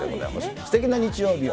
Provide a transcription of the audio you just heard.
すてきな日曜日を。